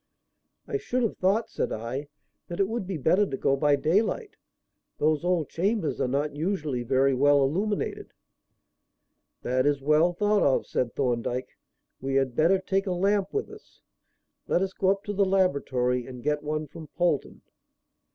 "I should have thought," said I, "that it would be better to go by daylight. Those old chambers are not usually very well illuminated." "That is well thought of," said Thorndyke. "We had better take a lamp with us. Let us go up to the laboratory and get one from Polton."